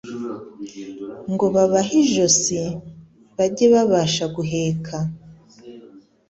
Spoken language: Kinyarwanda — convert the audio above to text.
ngo babahe ijosi bajye babasha guheka.